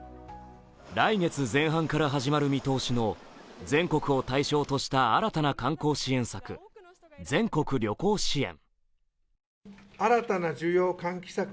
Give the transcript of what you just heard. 来月前半から始まる見通しの全国を対象とした新たな観光支援策、全国旅行支援。